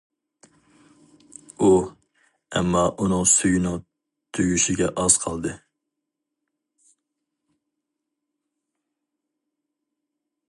ئۇ: ئەمما ئۇنىڭ سۈيىنىڭ تۈگىشىگە ئاز قالدى.